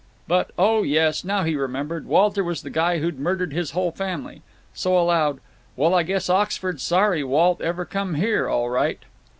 But—oh yes, now he remembered; Walter was the guy that 'd murdered his whole family. So, aloud, "Well, I guess Oxford's sorry Walt ever come here, all right."